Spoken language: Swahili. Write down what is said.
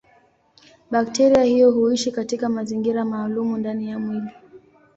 Bakteria hiyo huishi katika mazingira maalumu ndani ya mwili.